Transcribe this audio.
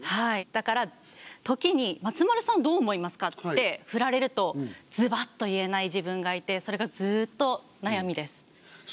だから「時に松丸さんどう思いますか？」って振られるとズバッと言えない自分がいてそれがずっと悩みです。